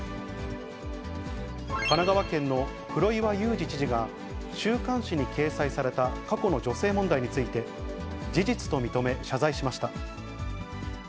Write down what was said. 神奈川県の黒岩祐治知事が、週刊誌に掲載された過去の女性問題について、事実と認め、謝罪しました。